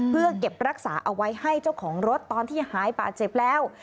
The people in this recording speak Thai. เพื่อเก็บรักษาเอาไว้ให้เจ้าของรถตอนที่หายป่าเจ็บแล้ว